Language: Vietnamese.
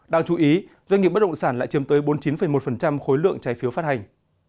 đáng chú ý doanh nghiệp bất động sản lại chiếm tới bốn mươi chín một khối lượng trái phiếu phát hành